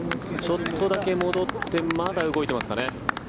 ちょっとだけ戻ってまだ動いてますかね。